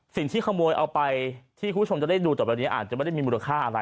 สิ่งที่ขโมยเอาไปที่คุณผู้ชมจะได้ดูต่อไปนี้อาจจะไม่ได้มีมูลค่าอะไร